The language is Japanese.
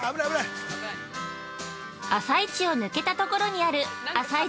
◆朝市を抜けたところにある朝市